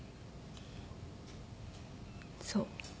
そう。